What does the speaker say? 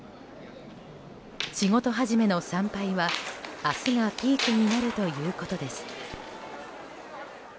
仕事始めの参拝は、明日がピークになるということです。